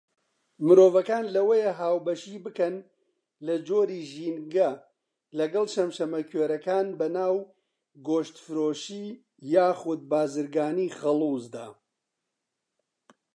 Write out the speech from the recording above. مرۆڤەکان لەوەیە هاوبەشی بکەن لە جۆری ژینگە لەگەڵ شەمشەمەکوێرەکان بەناو گۆشتفرۆشی یاخود بارزگانی خەڵوزدا.